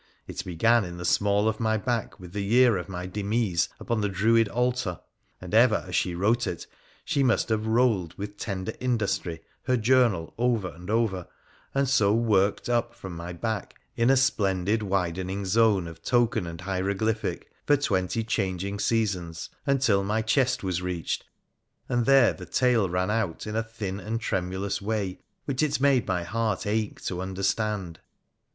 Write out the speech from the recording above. It began in the small of my back with the year of my demise upon the Druid altar, and ever as she wrote it she must have rolled, with tender industry, her journal over and over, and so worked up from my back, in a splendid widening zone of token and hieroglyphic, for twenty changing seasons, until my chest was reached, and there the tale ran out in a thin and tremulous way, which it made my heart ache to understand.